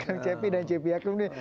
kan cp dan cp hakim nih